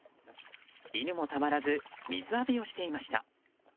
犬もたまらず水浴びをしていました。